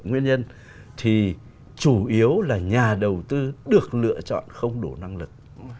nguyên nhân thì chủ yếu là nhà đầu tư được lựa chọn không đủ năng lực